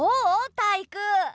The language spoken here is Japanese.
タイイク。